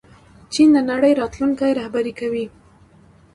چین د نړۍ راتلونکی رهبري کوي.